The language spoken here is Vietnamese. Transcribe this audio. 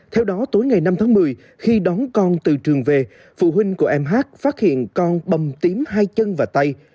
theo đó tối ngày năm tháng một mươi khi đón con từ trường về phụ huynh của em hát phát hiện con bầm tím hai chân và tay